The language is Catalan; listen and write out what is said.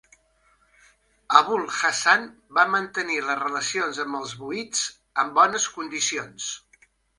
Abu'l-Hasan va mantenir les relacions amb els Buyids en bones condicions.